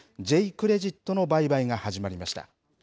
クレジットの売買が始まりました。